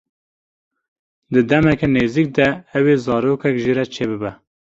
Di demeke nêzik de ew ê zarokek jê re çêbibe.